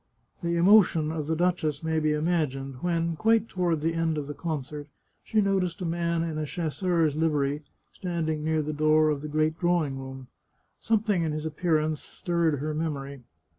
The emotion of the duchess may be imagined, when, quite toward the end of the concert, she noticed a man in a chasseur's livery standing near the door of the great draw ing room ; something in his appearance stirred her memory.